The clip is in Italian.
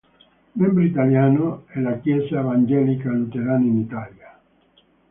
Membro italiano è la Chiesa evangelica luterana in Italia.